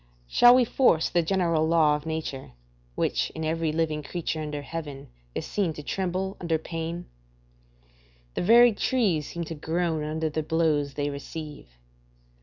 Shall we force the general law of nature, which in every living creature under heaven is seen to tremble under pain? The very trees seem to groan under the blows they receive.